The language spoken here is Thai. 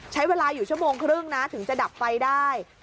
ใช้เวลาอยู่ชั่วโมงครึ่งนะถึงจะดับไฟได้